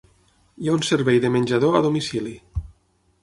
Hi ha un servei de menjador a domicili.